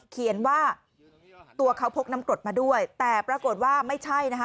เขียนว่าตัวเขาพกน้ำกรดมาด้วยแต่ปรากฏว่าไม่ใช่นะคะ